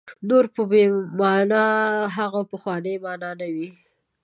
نور به یې معنا هغه پخوانۍ معنا نه وي.